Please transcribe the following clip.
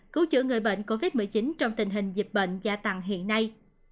cứu chữa người bệnh covid một mươi chín trong tình hình dịch bệnh gia tăng hiện nay